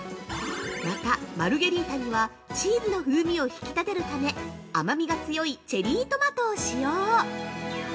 また、マルゲリータにはチーズの風味を引き立てるため甘みが強いチェリートマトを使用。